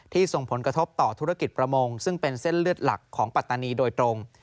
ส่งผลกระทบต่อธุรกิจประมงซึ่งเป็นเส้นเลือดหลักของปัตตานีโดยตรง